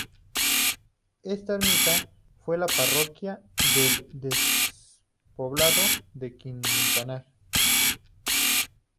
Esta ermita fue la parroquia del despoblado de Quintanar.